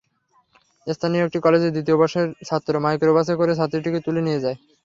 স্থানীয় একটি কলেজের দ্বিতীয় বর্ষের ছাত্র মাইক্রোবাসে করে ছাত্রীটিকে তুলে নিয়ে যায়।